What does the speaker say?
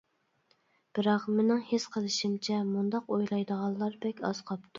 بىراق مېنىڭ ھېس قىلىشىمچە مۇنداق ئويلايدىغانلار بەك ئاز قاپتۇ.